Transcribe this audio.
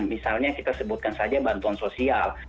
misalnya kita sebutkan saja bantuan sosial